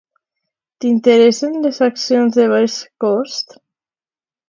T'interessen les accions de baix cost?